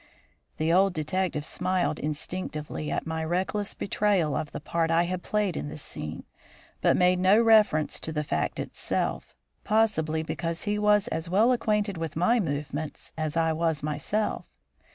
The old detective smiled instinctively at my reckless betrayal of the part I had played in this scene, but made no reference to the fact itself, possibly because he was as well acquainted with my movements as I was myself.